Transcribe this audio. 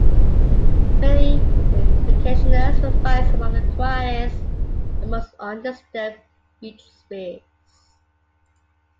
Many vacationers will find some of the quietest and most undisturbed beach space.